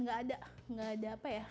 gak ada apa ya